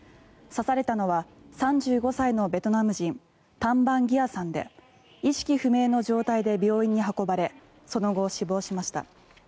刺されたのは３５歳のベトナム人タン・バン・ギアさんで意識不明の状態で病院に運ばれその後、死亡しました。